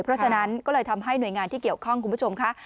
เพราะฉะนั้นก็เลยทำให้หน่วยงานที่เกี่ยวข้องคุณผู้ชมค่ะ